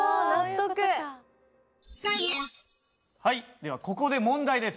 ではここで問題です。